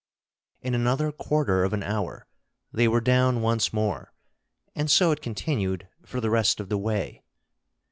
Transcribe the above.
In another quarter of an hour they were down once more, and so it continued for the rest of the way.